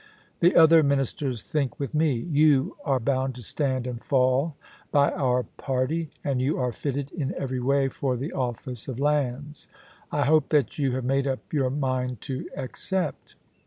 The other Ministers think with me. You are bound to stand and fall by our party, and you are fitted in every way for the office of Lands. I hope that you have made up your mind to accept.'